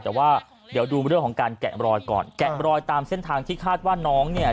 แต่ว่าเดี๋ยวดูเรื่องของการแกะรอยก่อนแกะรอยตามเส้นทางที่คาดว่าน้องเนี่ย